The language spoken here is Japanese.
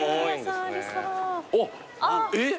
おっえっ？